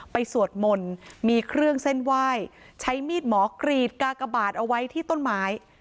สวดมนต์มีเครื่องเส้นไหว้ใช้มีดหมอกรีดกากบาทเอาไว้ที่ต้นไม้